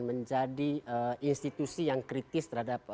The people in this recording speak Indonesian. menjadi institusi yang kritis terhadap